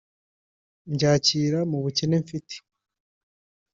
mbyakira mu bukene mfite